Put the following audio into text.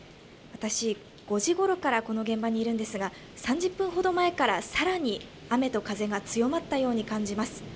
私、５時ごろからこの現場にいるんですが、３０分ほど前からさらに雨と風が強まったように感じます。